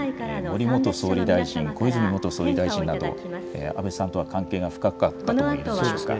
森元総理大臣、小泉元総理大臣など、安倍さんとは関係が深かったといえそうですか。